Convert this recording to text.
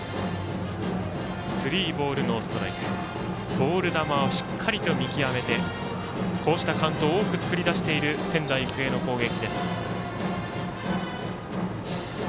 ボール球をしっかりと見極めてこうしたカウントを多く作り出している仙台育英の攻撃。